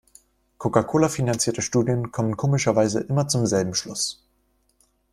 Von Coca-Cola finanzierte Studien kommen komischerweise immer zum selben Schluss.